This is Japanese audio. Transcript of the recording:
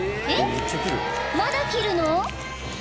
まだ切るの？］